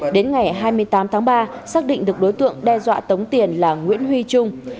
đến ngày hai mươi tám tháng ba xác định được đối tượng đe dọa tống tiền là nguyễn huy trung